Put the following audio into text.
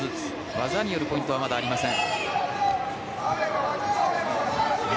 技によるポイントはまだありません。